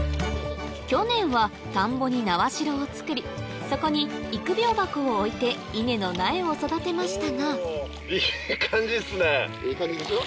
去年は田んぼに苗代を作りそこに育苗箱を置いて稲の苗を育てましたが・いい感じでしょ？